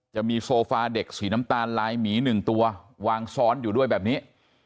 จะมีโซฟาเด็กสีน้ำตาลลายหมี๑ตัววางซ้อนอยู่ด้วยแบบนี้